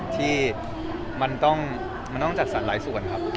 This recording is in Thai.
ที่มันต้องจัดสรรหลายส่วนครับ